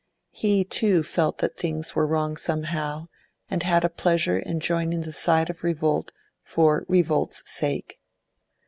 He too felt that 'things were wrong somehow,' and had a pleasure in joining the side of revolt for revolt's sake.